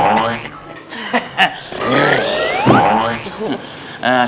saya panggil ustadz muhtar dulu ya